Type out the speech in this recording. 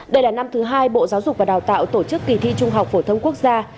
đây là năm thứ hai bộ giáo dục và đào tạo tổ chức kỳ thi trung học phổ thông quốc gia